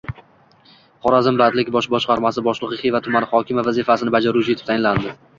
Xorazm bandlik bosh boshqarmasi boshlig‘i Xiva tumani hokimi vazifasini bajaruvchi etib tayinlandi